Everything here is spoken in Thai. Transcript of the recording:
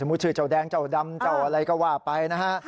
มุติชื่อเจ้าแดงเจ้าดำเจ้าอะไรก็ว่าไปนะฮะ